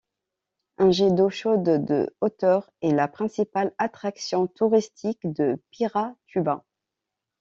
Un jet d'eau chaude de de hauteur est la principale attraction touristique de Piratuba.